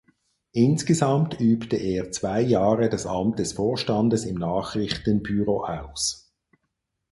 Insgesamt übte er zwei Jahre das Amt des Vorstandes im Nachrichtenbüro aus.